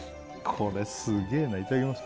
これすげえないただきます